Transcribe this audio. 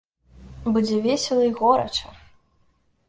Будзе весела і горача!